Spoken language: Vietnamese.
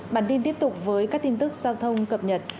bản tin tiếp tục với các tin tức giao thông cập nhật